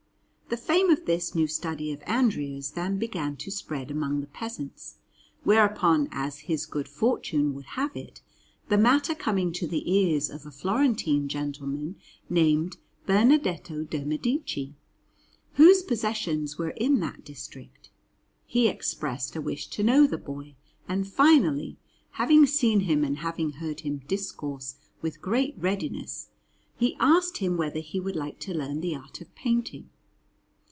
The fame of this new study of Andrea's then began to spread among the peasants; whereupon, as his good fortune would have it, the matter coming to the ears of a Florentine gentleman named Bernardetto de' Medici, whose possessions were in that district, he expressed a wish to know the boy; and finally, having seen him and having heard him discourse with great readiness, he asked him whether he would like to learn the art of painting.